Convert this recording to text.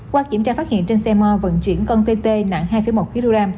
qua kiểm tra phát hiện trên xe mò vận chuyển con tê tê nặng hai một kg